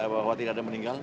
bahwa tidak ada meninggal